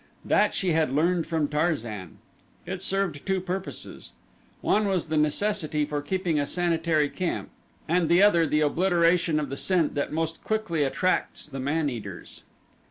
That she had learned from Tarzan. It served two purposes. One was the necessity for keeping a sanitary camp and the other the obliteration of the scent that most quickly attracts the man eaters.